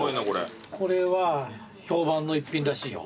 これは評判の一品らしいよ。